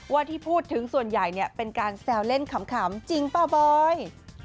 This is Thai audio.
ว่าที่พูดถึงส่วนใหญ่เป็นการแซวเล่นขำจริงเปล่าบอย